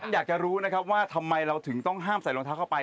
อยากจะรู้นะครับว่าทำไมเราถึงต้องห้ามใส่รองเท้าเข้าไป